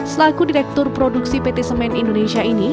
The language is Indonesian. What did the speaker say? selaku direktur produksi pt semen indonesia ini